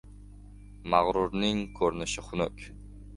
Mag‘rurning ko‘rinishi xunuk.